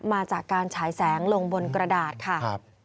มาจากการฉายแสงลงบนกระดาษค่ะ